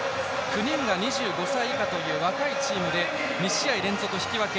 ９人が２５歳以下という若いチームで２試合連続引き分け。